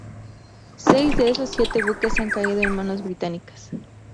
Seis de esos siete buques han caído en manos británicas.